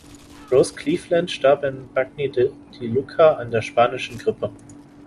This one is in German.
Rose Cleveland starb in Bagni di Lucca an der Spanischen Grippe.